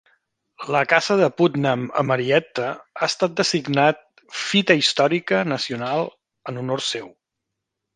La casa de Putnam a Marietta ha estat designat Fita Històrica nacional en honor seu.